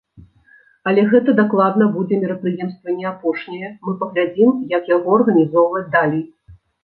Але гэта дакладна будзе мерапрыемства не апошняе, мы паглядзім як яго арганізоўваць далей.